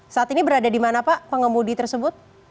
saat ini berada di mana pak pengemudi tersebut